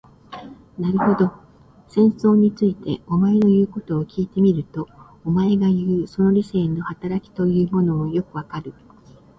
なるほど、戦争について、お前の言うことを聞いてみると、お前がいう、その理性の働きというものもよくわかる。